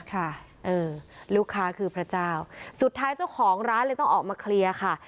ค่ะเออลูกค้าคือพระเจ้าสุดท้ายเจ้าของร้านเลยต้องออกมาเคลียร์ค่ะ